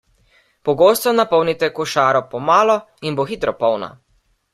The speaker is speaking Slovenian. Pogosto napolnite košaro po malo in bo hitro polna.